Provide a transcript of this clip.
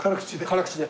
辛口で。